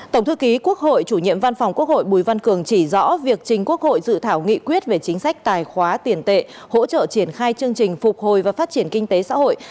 tổng thư ký quốc hội chủ nhiệm văn phòng quốc hội bùi văn cường chỉ rõ việc chính quốc hội dự thảo nghị quyết về chính sách tài khóa tiền tệ hỗ trợ triển khai chương trình phục hồi và phát triển kinh tế xã hội